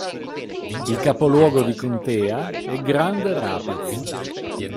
Il capoluogo di contea è Grand Rapids